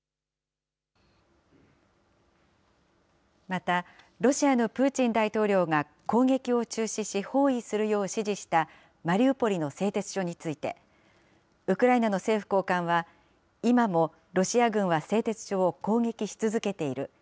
また、ロシアのプーチン大統領が攻撃を中止し包囲するよう指示したマリウポリの製鉄所について、ウクライナの政府高官は、今もロシア軍は製鉄所を攻撃し続けている。